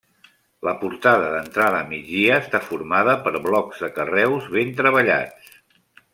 La portada d'entrada, a migdia, està formada per blocs de carreus ben treballats.